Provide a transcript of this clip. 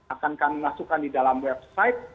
akankan masukkan di dalam website